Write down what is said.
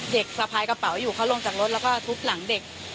สะพายกระเป๋าอยู่เขาลงจากรถแล้วก็ทุบหลังเด็ก